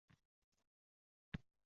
Sen ularni avf aylagin…